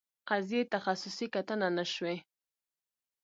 قضیې تخصصي کتنه نه شوې.